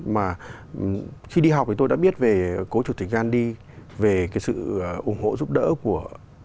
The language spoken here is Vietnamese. mà khi đi học thì tôi đã biết về cố chủ tịch gandhi về cái sự ủng hộ giúp đỡ của